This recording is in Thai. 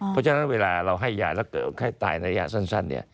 เพราะฉะนั้นเวลาเราให้ยาแล้วเกิดไข้ตายระยะสั้น